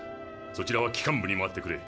そちらは機関部に回ってくれ。